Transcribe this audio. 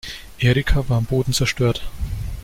Erika war am Boden zerstört.